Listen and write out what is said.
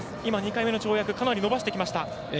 ２回目の跳躍かなり伸ばしてきました。